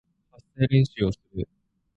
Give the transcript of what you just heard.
発声練習をする